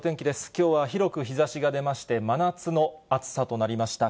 きょうは広く日ざしが出まして、真夏の暑さとなりました。